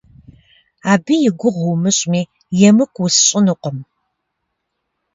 Абы и гугъу умыщӏми, емыкӏу усщӏынукъым.